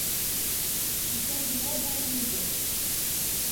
Иҫән генә булһын инде